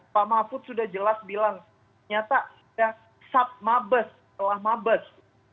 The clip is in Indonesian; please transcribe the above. pak mahfud sudah jelas bilang ternyata sudah sub mabes telah mabes